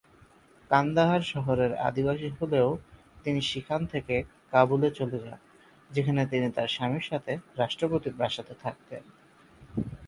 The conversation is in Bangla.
কান্দাহার শহরের আদিবাসী হলেও তিনি সেখান থেকে কাবুলে চলে যান যেখানে তিনি তার স্বামীর সাথে রাষ্ট্রপতি প্রাসাদে থাকতেন।